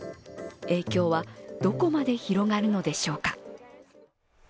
影響はどこまで広がるのでしょうか。